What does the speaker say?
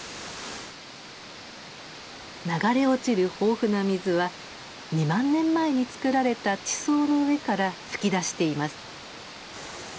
流れ落ちる豊富な水は２万年前につくられた地層の上から噴き出しています。